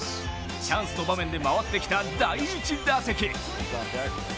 チャンスの場面で回ってきた第１打席。